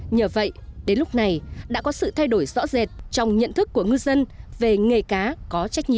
nhờ vậy đến lúc này đã có sự thay đổi rõ rệt trong nhận thức của ngư dân về nghề cá có trách nhiệm